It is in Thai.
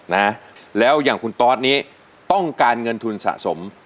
นะแล้วอย่างคุณตอสนี้ต้องการเงินทุนสะสม